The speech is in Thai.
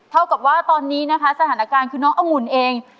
เท่ากับว่าตอนนี้นะคะสถานการณ์คือน้ององุ่นเอง